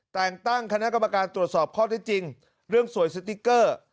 แต่งตั้งคณะกรรมการตรวจสอบข้อได้จริงเรื่องสวยสติ๊กเกอร์